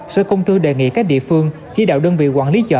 sở công thương tp hcm đề nghị các địa phương chỉ đạo đơn vị quản lý chợ